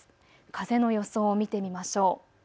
風の予想を見てみましょう。